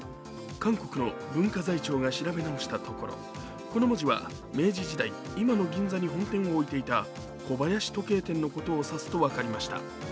韓国の文化財庁が調べ直したところこの文字は明治時代今の銀座に本店を置いていた小林時計店のことを指すと分かりました。